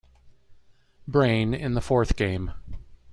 Brain, in the fourth game.